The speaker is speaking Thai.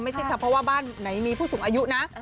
ไม่ใช่ค่ะเพราะว่าบ้านไหนมีผู้สูงอายุนะ